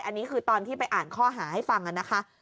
อันนี้คือตอนที่ไปอ่านข้อหาให้ฟังนะคะ